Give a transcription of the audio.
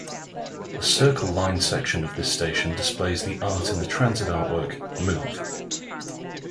The Circle Line section of this station displays the Art in Transit artwork "Move!".